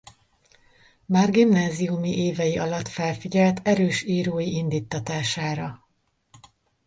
Már gimnáziumi évei alatt felfigyelt erős írói indíttatására.